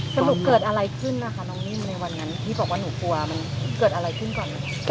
สรุปเกิดอะไรขึ้นนะคะน้องนิ่มในวันนั้นที่บอกว่าหนูกลัวมันเกิดอะไรขึ้นก่อน